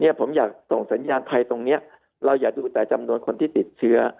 ผมอยากส่งสัญญาณภัยตรงนี้เราอยากดูแต่จำนวนคนที่ติดเชื้อ